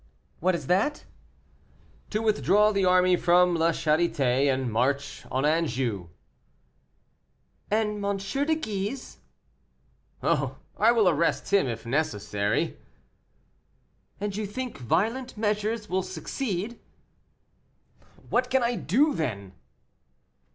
"What is that?" "To withdraw the army from La Charité, and march on Anjou." "And M. de Guise?" "Oh, I will arrest him if necessary." "And you think violent measures will succeed?" "What can I do, then?"